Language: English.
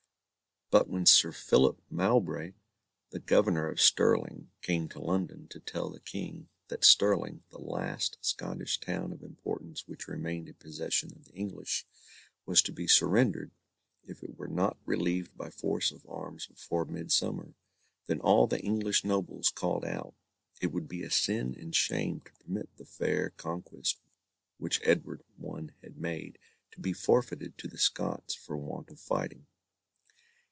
But when Sir Philip Mowbray, the governor of Stirling, came to London, to tell the King, that Stirling, the last Scottish town of importance which remained in possession of the English, was to be surrendered if it were not relieved by force of arms before midsummer, then all the English nobles called out, it would be a sin and shame to permit the fair conquest which Edward I had made, to be forfeited to the Scots for want of fighting.